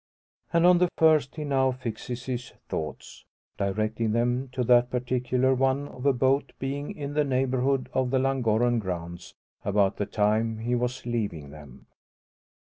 And on the first he now fixes his thoughts, directing them to that particular one of a boat being in the neighbourhood of the Llangorren grounds about the time he was leaving them.